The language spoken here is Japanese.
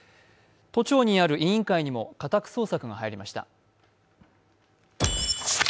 都庁にある委員会にも家宅捜索が入りました。